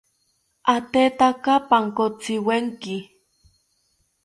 Atetaka pankotziwenki